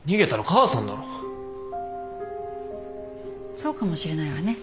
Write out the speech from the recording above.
そうかもしれないわね。